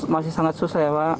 masih sangat susah ya pak